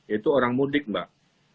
itu orang mudik mbak